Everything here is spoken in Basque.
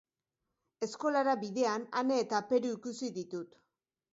Eskolara bidean Ane eta Peru ikusi ditut.